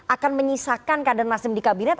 akan menyisakan kader nasdem di kabinet